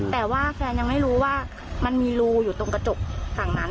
แต่ว่าแฟนยังไม่รู้ว่ามันมีรูอยู่ตรงกระจกฝั่งนั้น